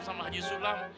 sama haji sulam